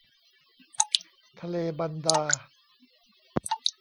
ทะเลบันดา